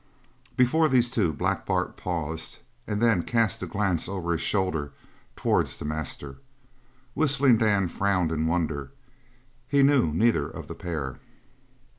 Before these two Black Bart paused and then cast a glance over his shoulder towards the master; Whistling Dan frowned in wonder; he knew neither of the pair.